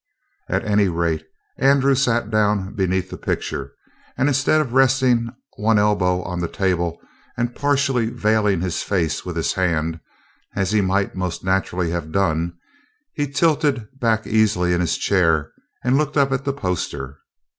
At any rate, Andrew sat down beneath the picture, and, instead of resting one elbow on the table and partially veiling his face with his hand, as he might most naturally have done, he tilted back easily in his chair and looked up at the poster.